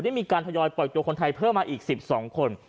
ได้มีการทยอยปล่อยตัวคนไทยเพิ่มมาอีก๑๒คน